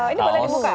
ini boleh di muka